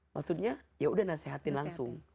maksudnya ya udah nasehatin langsung